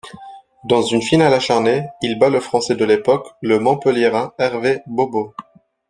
Dans une finale acharnée, il bat le français de l'époque, le Montpelliérain Hervé Bohbot.